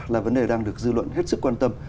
là vấn đề đang được dư luận hết sức quan tâm